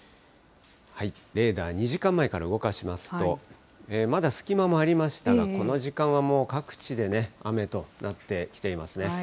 レーダー、２時間前から動かしますと、まだ隙間もありましたが、この時間はもう各地でね、雨となってきていますね。